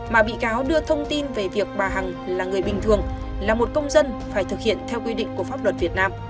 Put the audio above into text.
mà bị cáo đưa thông tin về việc bà hằng là người bình thường là một công dân phải thực hiện theo quy định của pháp luật việt nam